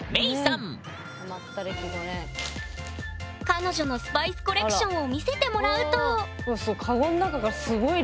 彼女のスパイスコレクションを見せてもらうとうわすごい。